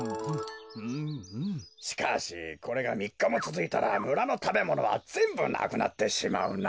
しかしこれがみっかもつづいたらむらのたべものはぜんぶなくなってしまうな。